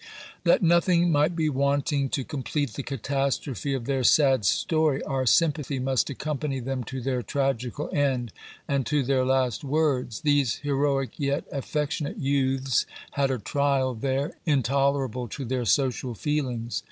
That nothing might be wanting to complete the catastrophe of their sad story, our sympathy must accompany them to their tragical end, and to their last words. These heroic yet affectionate youths had a trial there, intolerable to their social feelings.